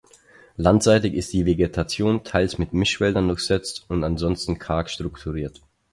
Landseitig ist die Vegetation teils mit Mischwäldern durchsetzt und ansonsten karg strukturiert.